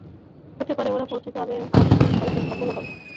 হতে পারে, ওরা পৌঁছে যাবে আর হয়ত সফলও হবে।